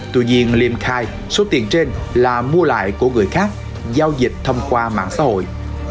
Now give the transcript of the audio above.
tuy nhiên liêm khai số tiền trên là mua lại của người khác giao dịch thông qua mạng xã hội